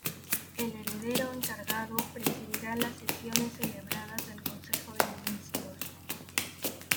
El Heredero encargado presidirá las sesiones celebradas del Consejo de Ministros.